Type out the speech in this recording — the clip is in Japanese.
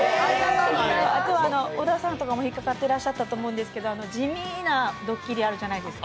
あと小田さんとかもひっかかってらっしゃったと思うんですけど地味なドッキリ、あるじゃないですか。